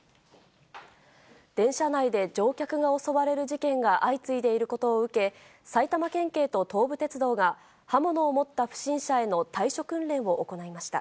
電車内で乗客が襲われる事件が相次いでいることを受け、埼玉県警と東武鉄道が、刃物を持った不審者への対処訓練を行いました。